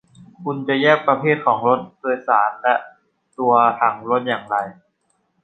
คุณจะแยกประเภทของรถโดยสารและตัวถังรถอย่างไร ?